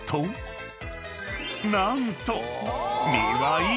［何と］